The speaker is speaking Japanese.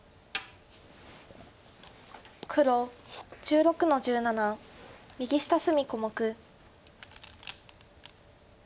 黒１６の十七右下隅小目。